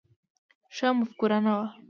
ښه مفکوره نه وي.